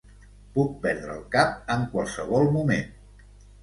Puc perdre el cap en qualsevol moment.